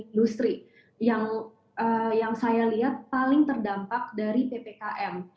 industri yang saya lihat paling terdampak dari ppkm